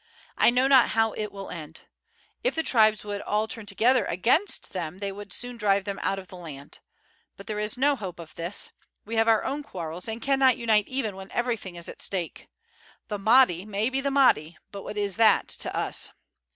I know not how it will end. If the tribes would all turn together against them they would soon drive them out of the land. But there is no hope of this; we have our own quarrels, and cannot unite even when everything is at stake. The Mahdi may be the Mahdi, but what is that to us?